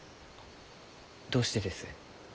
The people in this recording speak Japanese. どうしてです？